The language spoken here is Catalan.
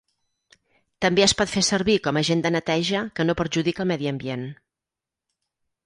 També es pot fer servir com agent de neteja que no perjudica el medi ambient.